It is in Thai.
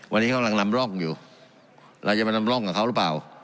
วันนี้เขากำลังนำร่องอยู่เราจะมานำร่องกับเขาหรือเปล่า